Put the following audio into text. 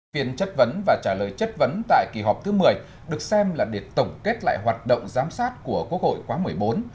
phiên chất vấn và trả lời chất vấn tại kỳ họp thứ một mươi được xem là để tổng kết lại hoạt động giám sát của quốc hội quá một mươi bốn